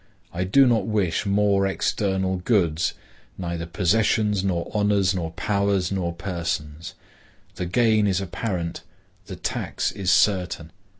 I do not wish more external goods,—neither possessions, nor honors, nor powers, nor persons. The gain is apparent; the tax is certain.